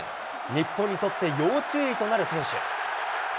日本にとって要注意となる選手。